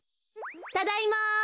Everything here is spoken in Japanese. ただいま。